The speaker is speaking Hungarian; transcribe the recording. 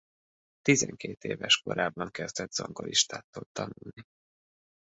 Tizenkét éves korában kezdett zongoristától tanulni.